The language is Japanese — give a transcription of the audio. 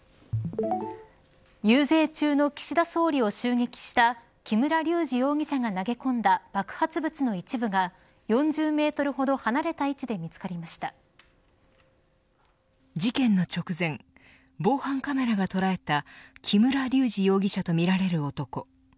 遊説中の岸田総理を襲撃した木村隆二容疑者が投げ込んだ爆発物の一部が４０メートルほど離れた位置で事件の直前防犯カメラが捉えた木村隆二容疑者とみられる男。